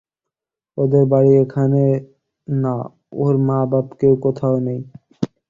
ওদের বাড়ি এখানে না-ওর মা-বাপ কেউ কোথাও নেই।